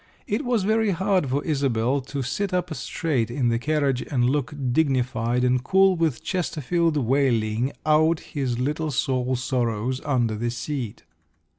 It was very hard for Isobel to sit up straight in the carriage and look dignified and cool with Chesterfield wailing out his little soul sorrows under the seat.